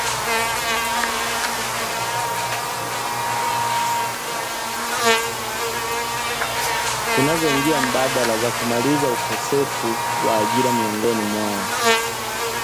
Kunazo njia mbadala za kumaliza ukosefu wa ajira miongoni mwao